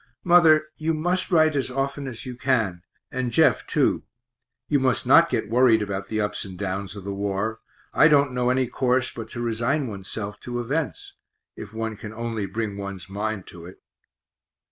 Mother, you must write as often as you can, and Jeff too you must not get worried about the ups and downs of the war; I don't know any course but to resign oneself to events if one can only bring one's mind to it.